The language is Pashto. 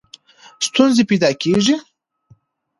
ستونزي پیدا کړې.